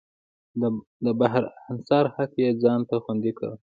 د بهر انحصار حق یې ځان ته خوندي کړ.